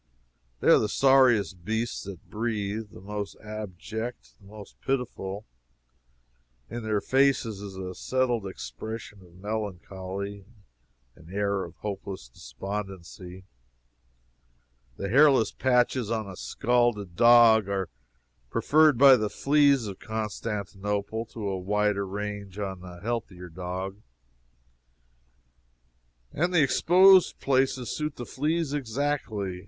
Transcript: They are the sorriest beasts that breathe the most abject the most pitiful. In their faces is a settled expression of melancholy, an air of hopeless despondency. The hairless patches on a scalded dog are preferred by the fleas of Constantinople to a wider range on a healthier dog; and the exposed places suit the fleas exactly.